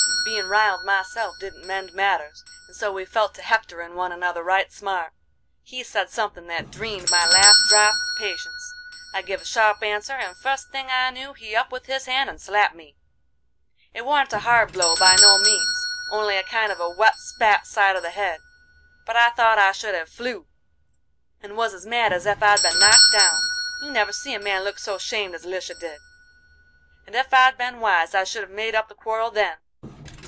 "Bein' riled myself didn't mend matters, and so we fell to hectorin' one another right smart. He said somethin' that dreened my last drop of patience; I give a sharp answer, and fust thing I knew he up with his hand and slapped me. It warn't a hard blow by no means, only a kind of a wet spat side of the head; but I thought I should have flew, and was as mad as ef I'd been knocked down. You never see a man look so 'shamed as Lisha did, and ef I'd been wise I should have made up the quarrel then.